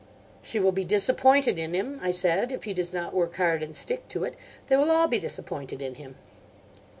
"She will be disappointed in him," I said, "if he does not work hard and stick to it. They will all be disappointed in him."